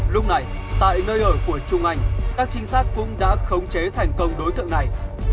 lúc này tại nơi ở của trung anh các trinh sát cũng đã khống chế thành công đối tượng này